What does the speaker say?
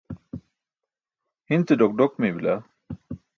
hin ce ḍok ḍok mey bila